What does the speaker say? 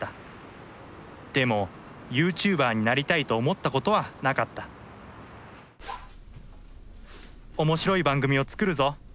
でもユーチューバーになりたいと思ったことはなかった面白い番組を作るぞ！